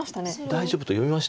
大丈夫と読みました。